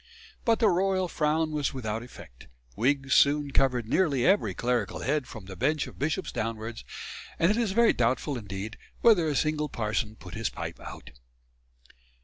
But the royal frown was without effect. Wigs soon covered nearly every clerical head from the bench of bishops downwards; and it is very doubtful indeed whether a single parson put his pipe out.